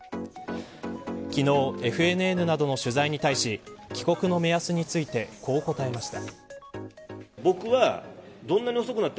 昨日、ＦＮＮなどの取材に対し帰国の目安についてこう答えました。